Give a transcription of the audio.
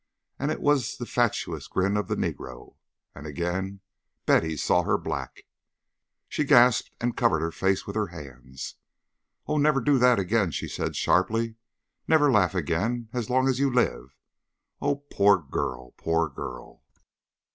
And it was the fatuous grin of the negro, and again Betty saw her black. She gasped and covered her face with her hands. "Oh, never do that again," she said sharply. "Never laugh again as long as you live. Oh, poor girl! Poor girl!"